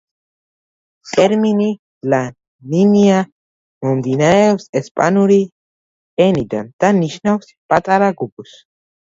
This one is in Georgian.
ტერმინი „ლა-ნინია“ მომდინარეობს ესპანური ენიდან და ნიშნავს „პატარა გოგოს“.